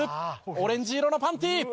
オレンジ色のパンティ！